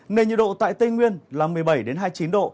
nền nhiệt độ tại tây nguyên là một mươi bảy hai mươi chín độ